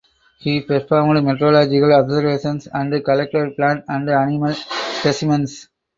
He performed meteorological observations and collected plant and animal specimens.